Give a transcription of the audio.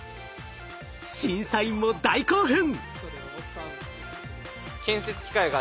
審査員も大興奮。